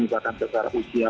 bahkan secara usia